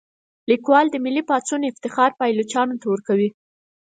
لیکوال د ملي پاڅون افتخار پایلوچانو ته ورکوي.